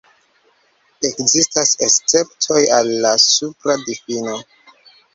Ekzistas esceptoj al la supra difino.